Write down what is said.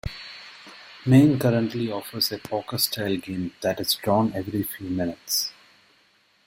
Maine currently offers a poker-style game that is drawn every few minutes.